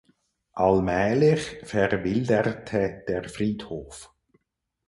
Allmählich verwilderte der Friedhof.